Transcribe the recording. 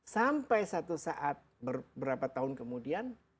sampai satu saat berapa tahun kemudian